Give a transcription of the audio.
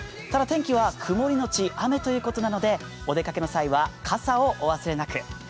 ただ天気は曇りのち雨ということなのでお出かけの際は傘をお忘れなく。